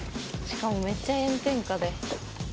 しかもめっちゃ炎天下で。